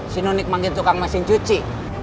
si nuni panggil tukang mesin cuci